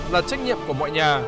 là trách nhiệm của mọi nhà